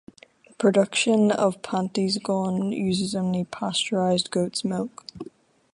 The production of Pantysgawn uses only pasteurised goat's milk.